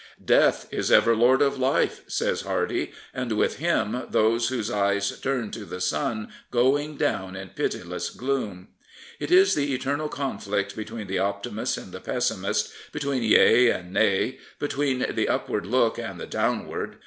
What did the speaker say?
" Death is ever Lord of life," says Hardy, and with him those whose eyes turn to the sun going down in pitiless gloom. It is the eternal conflict between the optimist and the pessimist, between " Yea " and " Nay," between the upward look and the downward.